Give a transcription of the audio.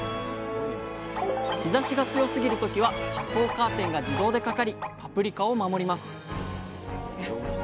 日ざしが強すぎる時は遮光カーテンが自動でかかりパプリカを守ります。